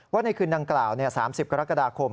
ในคืนดังกล่าว๓๐กรกฎาคม